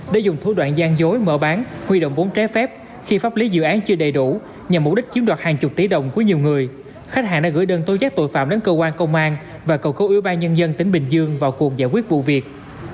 để dùng thủ đoạn gian dối mở bán huy động vốn trái phép khi pháp lý dự án chưa đầy đủ nhằm mục đích chiếm đoạt hàng chục tỷ đồng của nhiều người khách hàng đã gửi đơn tố giác tội phạm đến cơ quan công an và cầu ủy ban nhân dân tỉnh bình dương vào cuộc giải quyết vụ việc